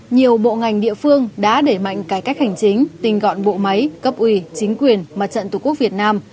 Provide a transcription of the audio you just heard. nhiều bộ ngành địa phương đã đẩy mạnh cải cách hành chính tinh gọn bộ máy cấp ủy chính quyền mặt trận tổ quốc việt nam